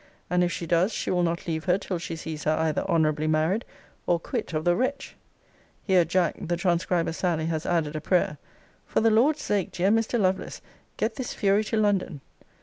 And if she does, she will not leave her till she sees her either honourably married, or quit of the wretch.' Here, Jack, the transcriber Sally has added a prayer 'For the Lord's sake, dear Mr. Lovealce, get this fury to London!'